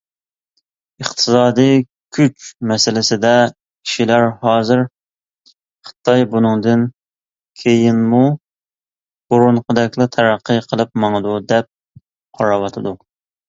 ئىقتىسادىي كۈچ مەسىلىسىدە كىشىلەر ھازىر خىتاي بۇنىڭدىن كېيىنمۇ بۇرۇنقىدەكلا تەرەققىي قىلىپ ماڭىدۇ، دەپ قاراۋاتىدۇ.